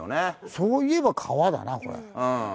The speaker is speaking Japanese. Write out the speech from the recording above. そういえば川だなこりゃ。